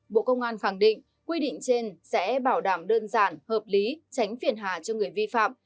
bộ công an khẳng định quy định trên sẽ bảo đảm đơn giản hợp lý tránh phiền hà cho người vi phạm